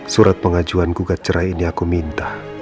surat pengajuan gugat cerai ini aku minta